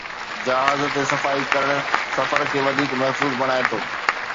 جهاز تي صفائي ڪرڻ سفر کي وڌيڪ محفوظ بڻائي ٿو